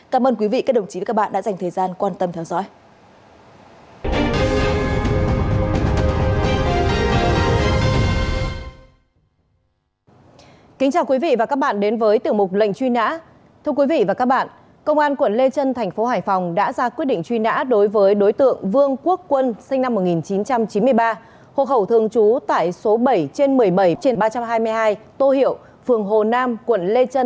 cảm ơn quý vị các đồng chí và các bạn đã dành thời gian quan tâm theo dõi